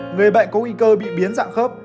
người bệnh có nguy cơ bị biến dạng khớp